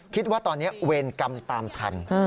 คิดว่าตอนนี้เวรกรรมตามทัน